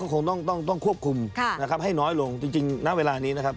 คงต้องต้องควบคุมนะครับให้น้อยลงจริงณเวลานี้นะครับ